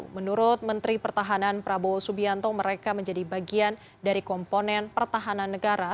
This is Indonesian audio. menurut menteri pertahanan prabowo subianto mereka menjadi bagian dari komponen pertahanan negara